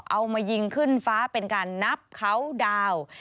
เอามายิงขึ้นฟ้าเป็นการนับเขาดาวน์